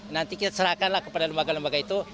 nanti kita serahkan lah kepada lembaga lembaga itu